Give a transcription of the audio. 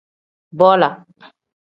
Bola.